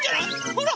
ほら！